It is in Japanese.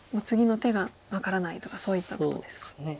「次の手が分からない」とかそういったことですか。